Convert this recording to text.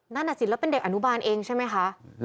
นั่นน่ะสิแล้วเป็นเด็กอนุบาลเองใช่ไหมคะ